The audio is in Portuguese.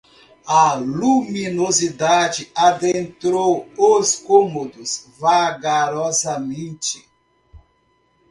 A luminosidade adentrou os cômodos vagarosamente